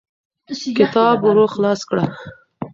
کتاب ورو خلاص کړه.